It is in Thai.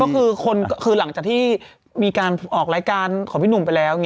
ก็คือหลังจากที่มีการออกรายการของพี่หนุ่มไปแล้ว